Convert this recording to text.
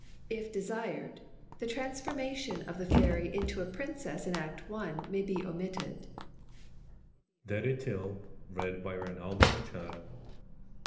If desired, the transformation of the Fairy into a princess in Act I may be omitted.